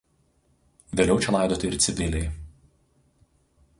Vėliau čia laidoti ir civiliai.